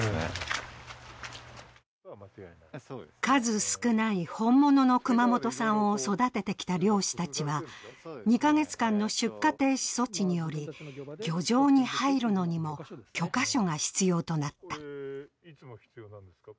数少ない本物の熊本産を育ててきた漁師たちは２カ月間の出荷停止措置により、漁場に入るのにも許可書が必要となった。